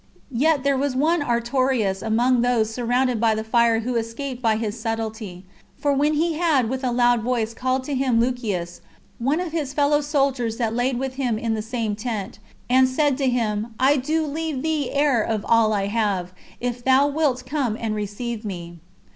Yet there was one Artorius among those surrounded by the fire who escaped by his subtlety; for when he had with a loud voice called to him Lucius, one of his fellow soldiers that lay with him in the same tent, and said to him, "I do leave thee heir of all I have, if thou wilt come and receive me."